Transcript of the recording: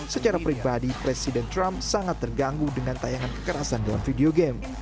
secara pribadi presiden trump sangat terganggu dengan tayangan kekerasan dalam video game